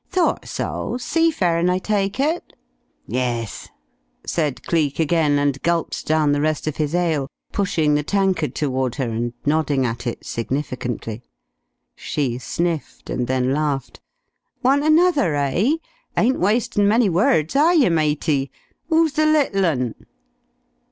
"Thought so. Sea faring, I take it?" "Yus," said Cleek again, and gulped down the rest of his ale, pushing the tankard toward her and nodding at it significantly. She sniffed, and then laughed. "Want another, eh? Ain't wastin' many words, are yer, matey? 'Oo's the little 'un?"